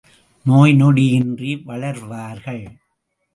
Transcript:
நோய் நொடியின்றி வளர்வார்கள்.